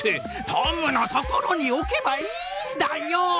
トムの所に置けばいいんだよ！